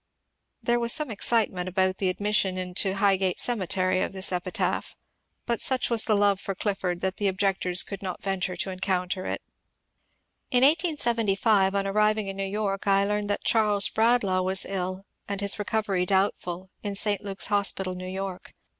There was some excitement about the admission into High gate Cemetery of this epitaph, but such was the love for Clif ford that the objectors could not venture to encounter it. In 1875, on arriving in New York, I learned that Charles Bradlaugh was ill, and his reooveiy doubtful, in St. Luke's Hospital, New York.